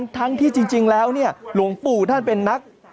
ทั้งที่จริงแล้วเนี่ยหลวงปู่ท่านเป็นนัก